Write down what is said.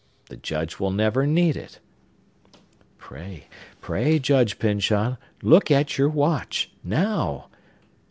The Judge will never need it. Pray, pray, Judge Pyncheon, look at your watch, Now!